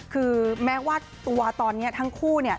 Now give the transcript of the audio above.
คือแม้ว่าตัวตอนนี้ทั้งคู่เนี่ย